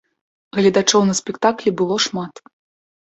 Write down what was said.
Гледачоў на спектаклі было шмат.